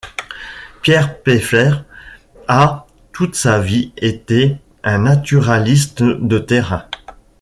Pierre Pfeffer a, toute sa vie, été un naturaliste de terrain.